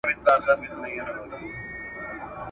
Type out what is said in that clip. شور وو ګډ په وړو لویو حیوانانو `